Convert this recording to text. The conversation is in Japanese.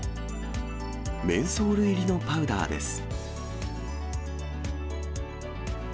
メンソール入りのパウダーです。